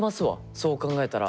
そう考えたら。